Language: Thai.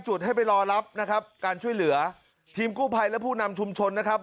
จุดให้ไปรอรับนะครับการช่วยเหลือทีมกู้ภัยและผู้นำชุมชนนะครับ